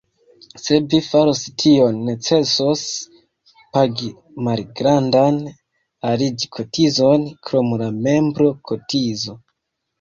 Se vi faros tion, necesos pagi malgrandan aliĝ-kotizon krom la membro-kotizo.